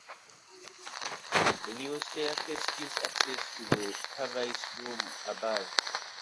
A newel staircase gives access to the Parvise Room above.